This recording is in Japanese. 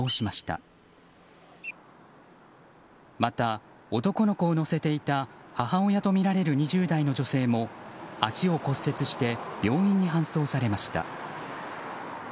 また男の子を乗せていた母親とみられる２０代の女性も足を骨折して病院に搬送されました。